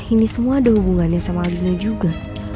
ini semua ada hubungannya sama aldino juga